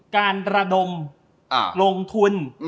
การระดมลงทุน